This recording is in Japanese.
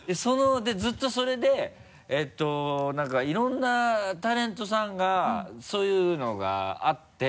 ずっとそれでえっと何かいろんなタレントさんがそういうのがあって。